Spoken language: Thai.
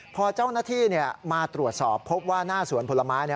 พอเจ้าหน้าที่มาตรวจสอบพบว่าหน้าสวนผลไม้